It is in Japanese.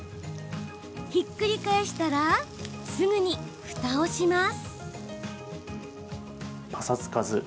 ひっくり返したらすぐにふたをします。